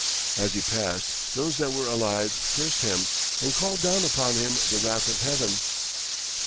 As he passed, those that were alive cursed him, and called down upon him the wrath of Heaven.